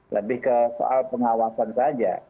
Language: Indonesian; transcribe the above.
lebih ke soal pengawasan saja